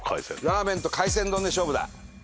ラーメンと海鮮丼で勝負だ！